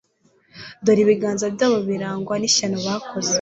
Dore ibiganza byabo birarangwa n’ishyano bakoze